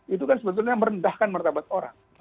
itu kan sebetulnya merendahkan martabat orang